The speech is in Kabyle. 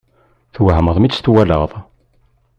Twehmeḍ mi tt-twalaḍ?